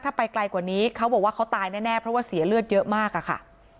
ถ้าไปไกลกว่านี้เขาบอกว่าเขาตายแน่เพราะว่าเสียเลือดเยอะมากอะค่ะ